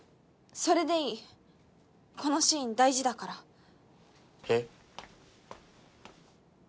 それでいいこのシーン大事だからえっ？